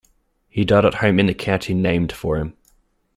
He died at home in the county named for him.